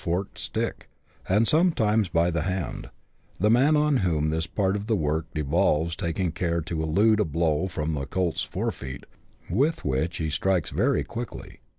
forked stick, and sometimes by the hand, the man on whom this part of the work devolves taking care to elude a blow from the colt's forefeet, with which he strikes very quickly.